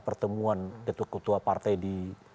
pertemuan ketua partai di